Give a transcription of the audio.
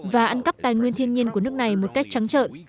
và ăn cắp tài nguyên thiên nhiên của nước này một cách trắng trợn